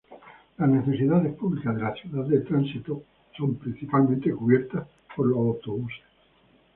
Las necesidades públicas de la ciudad de tránsito son principalmente cubiertas por autobuses.